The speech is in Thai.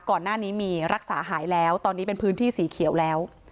ก่อนหน้านี้มีรักษาหายแล้วตอนนี้เป็นพื้นที่สีเขียวแล้ว